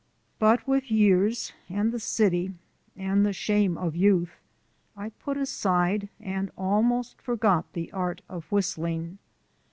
But with years, and the city, and the shame of youth, I put aside and almost forgot the art of whistling.